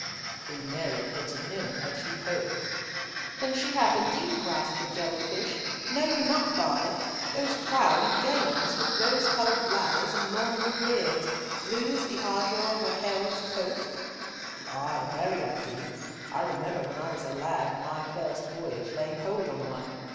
"Queen Mary puts in him her chief hope." "Then she hath indeed grasped a jelly fish. Know you not, father, those proud and gay ones, with rose coloured bladders and long blue beards—blue as the azure of a herald's coat?" "Ay, marry I do. I remember when I was a lad, in my first voyage, laying hold on one.